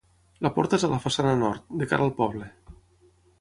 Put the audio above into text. La porta és a la façana nord, de cara al poble.